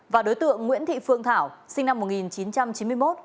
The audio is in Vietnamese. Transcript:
và đối tượng nguyễn thị phương thảo sinh năm một nghìn chín trăm chín mươi một